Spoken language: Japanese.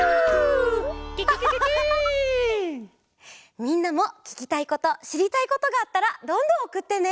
みんなもききたいことしりたいことがあったらどんどんおくってね！